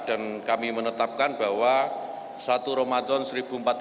dan kami menetapkan bahwa satu ramadhan seribu empat ratus empat puluh dua hijriah